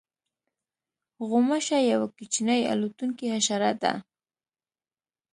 غوماشه یوه کوچنۍ الوتونکې حشره ده.